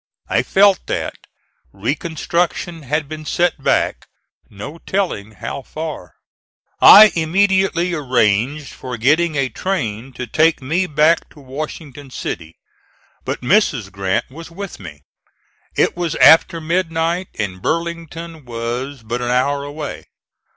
I felt that reconstruction had been set back, no telling how far. I immediately arranged for getting a train to take me back to Washington City; but Mrs. Grant was with me; it was after midnight and Burlington was but an hour away.